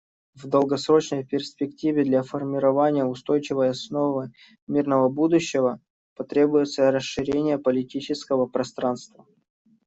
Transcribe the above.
В долгосрочной перспективе для формирования устойчивой основы мирного будущего потребуется расширение политического пространства.